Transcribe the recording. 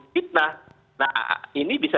fitnah nah ini bisa